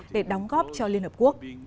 để đóng góp cho liên hợp quốc